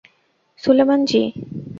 Sulaiman জি!